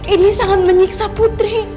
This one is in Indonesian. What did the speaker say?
ini sangat menyiksa putri